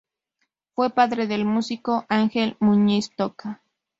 Fue padre del músico Ángel Muñiz Toca.